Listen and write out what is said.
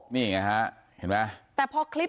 เผชิญนี้อีกไงครับเห็นไหม